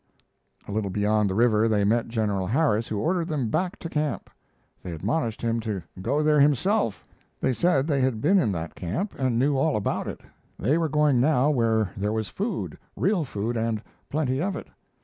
A little beyond the river they met General Harris, who ordered them back to camp. They admonished him to "go there himself." They said they had been in that camp and knew all about it. They were going now where there was food real food and plenty of it.